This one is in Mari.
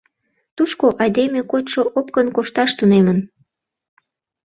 Тушко айдеме кочшо Опкын кошташ тунемын.